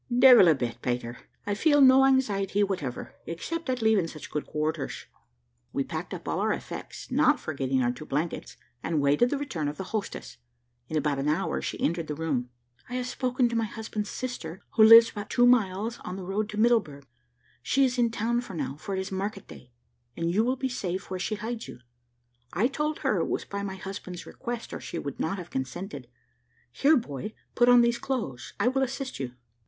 "Devil a bit, Peter; I feel no anxiety whatever, except at leaving such good quarters." We packed up all our effects, not forgetting our two blankets, and waited the return of the hostess. In about an hour she entered the room. "I have spoken to my husband's sister, who lives about two miles on the road to Middleburg. She is in town now, for it is market day, and you will be safe where she hides you. I told her it was by my husband's request, or she would not have consented. Here, boy, put on these clothes: I will assist you."